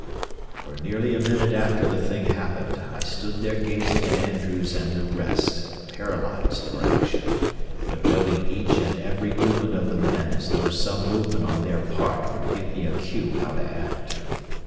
For nearly a minute after the thing happened I stood there gazing at Andrews and the rest, paralyzed for action, but noting each and every movement of the men as though some movement on their part would give me a cue how to act.